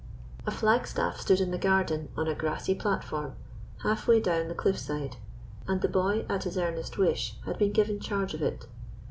A flagstaff stood in the garden on a grassy platform, half way down the cliff side, and the boy at his earnest wish had been given charge of it.